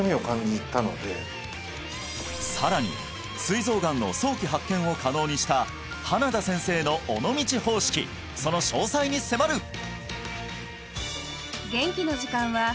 さらにすい臓がんの早期発見を可能にした花田先生の尾道方式その詳細に迫る！